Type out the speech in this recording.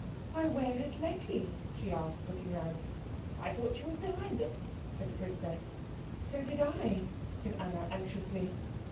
"Why, where is Letty?" she asked, looking round. "I thought she was behind us," said the princess. "So did I," said Anna anxiously.